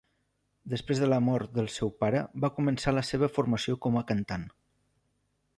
Després de la mort del seu pare va començar la seva formació com a cantant.